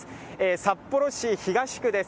札幌市東区です。